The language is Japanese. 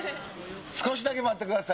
少しだけ待ってください。